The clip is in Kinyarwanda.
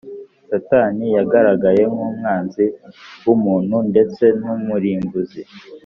satani yagaragaye nk’umwanzi w’umuntu ndetse n’umurimbuzi;